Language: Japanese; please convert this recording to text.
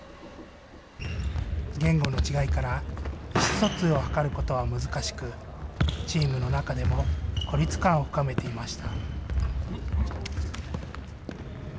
言語の違いから、意思疎通を図ることは難しく、チームの中でも孤立感を深めていました。